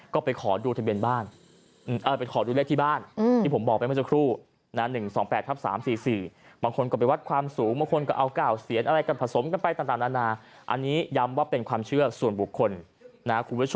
ก็ไปขอดูเลขที่บ้านที่ผมบอกไปเมื่อเจ้าครู่